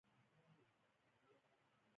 همدا لامل دی چې پرمختللی وي.